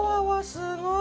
すごい！